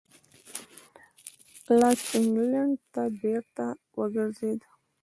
لاک انګلېنډ ته بېرته وګرځېد.